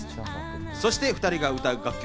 そして２人が歌う楽曲